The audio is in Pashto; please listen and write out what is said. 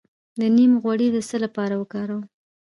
د نیم غوړي د څه لپاره وکاروم؟